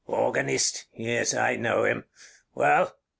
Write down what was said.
Organist! Yes, I know him. Well?